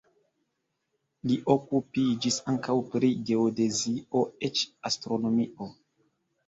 Li okupiĝis ankaŭ pri geodezio, eĉ astronomio.